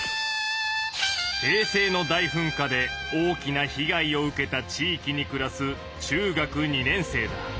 平成の大噴火で大きな被害を受けた地域にくらす中学２年生だ。